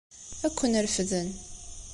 Ad ken-refden.